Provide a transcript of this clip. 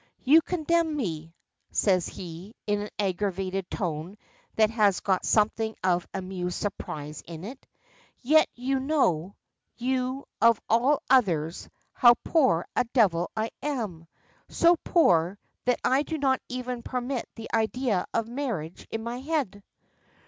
"You condemn me," says he, in an aggrieved tone that has got something of amused surprise in it. "Yet you know you of all others how poor a devil I am! So poor, that I do not even permit the idea of marriage in my head."